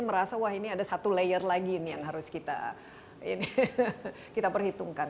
merasa wah ini ada satu layer lagi ini yang harus kita perhitungkan